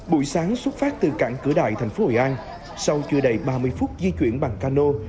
buổi sáng xuất phát từ cảng cửa đại thành phố hội an sau chưa đầy ba mươi phút di chuyển bằng cano